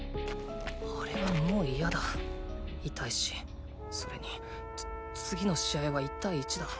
あれはもう嫌だ痛いしそれに次の試合は１対１だ。